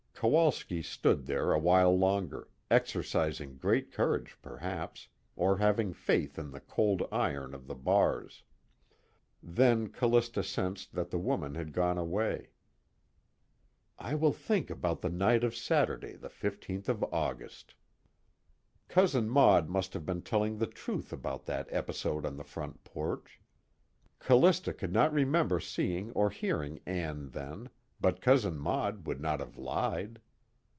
Kowalski stood there a while longer, exercising great courage perhaps, or having faith in the cold iron of the bars. Then Callista sensed that the woman had gone away. I will think about the night of Saturday, the 15th of August. Cousin Maud must have been telling the truth about that episode on the front porch. Callista could not remember seeing or hearing Ann then, but Cousin Maud would not have lied.